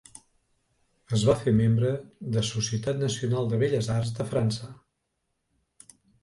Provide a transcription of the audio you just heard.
Es va fer membre de Societat Nacional de Belles Arts de França.